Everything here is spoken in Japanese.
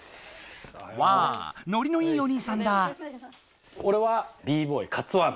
わノリのいいおにいさんだ。